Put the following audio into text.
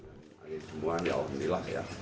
semua orang mengahwini saya